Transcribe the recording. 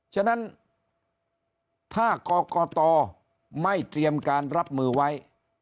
ฉะนั้นถ้ากรกตไม่เตรียมการรับมือไว้